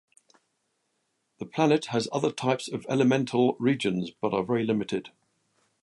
The planet has other types of elemental regions but are very limited.